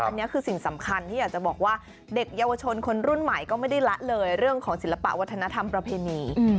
อันนี้คือสิ่งสำคัญที่อยากจะบอกว่าเด็กเยาวชนคนรุ่นใหม่ก็ไม่ได้ละเลยเรื่องของศิลปะวัฒนธรรมประเพณี